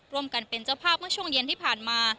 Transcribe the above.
ร่วมกันเป็นเจ้าภาพเมื่อช่วงเย็นที่ผ่านมา